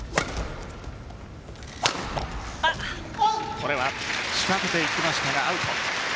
これは仕掛けていきましたがアウト。